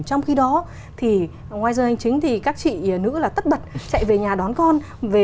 trong khi đó thì ngoài giờ hành chính thì các chị nữ là tất bật chạy về nhà đón con về